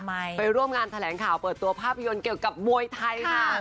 ไปร่วมงานแถลงข่าวเปิดตัวภาพยนตร์เกี่ยวกับมวยไทยค่ะ